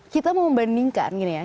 kita membandingkan gini ya